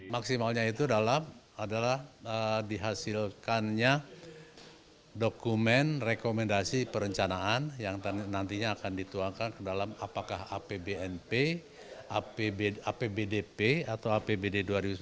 maksimalnya itu adalah dihasilkannya dokumen rekomendasi perencanaan yang nantinya akan dituangkan ke dalam apakah apbnp apbdp atau apbd dua ribu sembilan belas